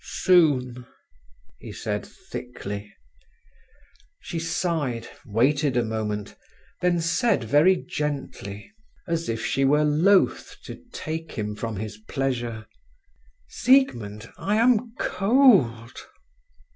"Soon," he said thickly. She sighed, waited a moment, then said very gently, as if she were loath to take him from his pleasure: "Siegmund, I am cold."